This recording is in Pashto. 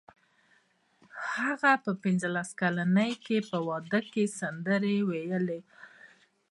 هغه په پنځلس کلنۍ کې په واده کې سندرې وویلې